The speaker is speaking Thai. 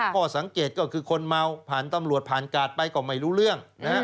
ข้อสังเกตก็คือคนเมาผ่านตำรวจผ่านกาดไปก็ไม่รู้เรื่อง